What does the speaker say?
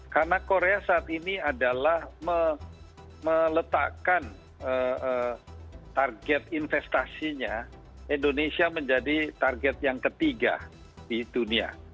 karena korea saat ini adalah meletakkan target investasinya indonesia menjadi target yang ketiga di dunia